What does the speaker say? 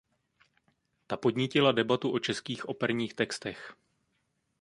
Ta podnítila debatu o českých operních textech.